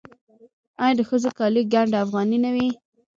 آیا د ښځو کالي ګنډ افغاني نه وي؟